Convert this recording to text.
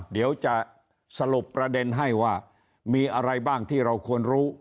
เดี๋ยวจะสรุปประเด็นให้ว่ามีอะไรบ้างที่เราควรรู้